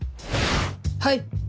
はい。